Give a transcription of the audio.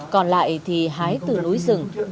còn lại thì hái từ núi rừng